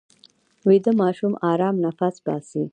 ویده ماشوم ارام نفس باسي